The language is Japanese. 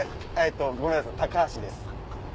ごめんなさい高橋です。